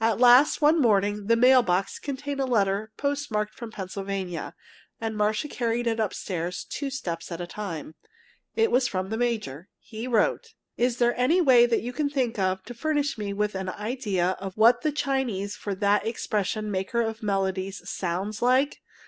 At last one morning the mail box contained a letter postmarked from Pennsylvania, and Marcia carried it upstairs two steps at a time. It was from the major. He wrote: Is there any way you can think of to furnish me with an idea of what the Chinese for that expression, "maker of melodies," sounds like?